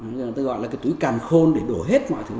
người ta gọi là cái túi càn khôn để đổ hết mọi thứ